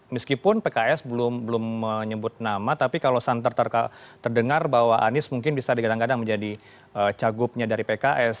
meskipun pks belum menyebut nama tapi kalau santer terdengar bahwa anies mungkin bisa digadang gadang menjadi cagupnya dari pks